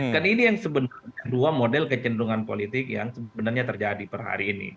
kan ini yang sebenarnya dua model kecenderungan politik yang sebenarnya terjadi per hari ini